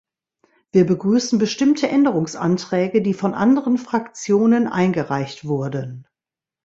Wir begrüßen bestimmte Änderungsanträge, die von anderen Fraktionen eingereicht wurden.